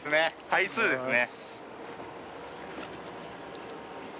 回数ですね。